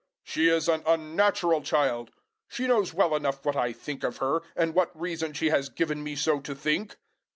"She is an unnatural child. She knows well enough what I think of her, and what reason she has given me so to think."